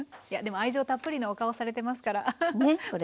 いやでも愛情たっぷりのお顔されてますからアハハッ。